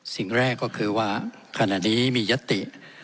สิ่งแรกก็คือว่าขณะนี้มียติ